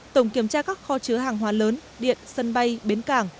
tổng kiểm tra các kho chứa hàng hóa lớn điện sân bay bến cảng